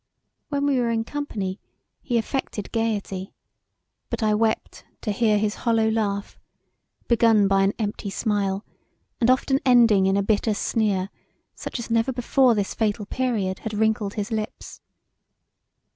When we were in company he affected gaiety but I wept to hear his hollow laugh begun by an empty smile and often ending in a bitter sneer such as never before this fatal period had wrinkled his lips.